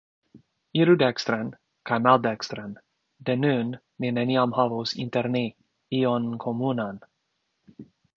Iru dekstren kaj maldekstren, de nun ni neniam havos inter ni ion komunan.